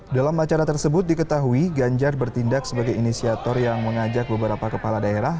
dalam acara tersebut diketahui ganjar bertindak sebagai inisiator yang mengajak beberapa kepala daerah